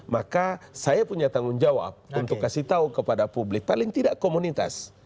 maka saya punya tanggung jawab untuk kasih tahu kepada publik paling tidak komunitas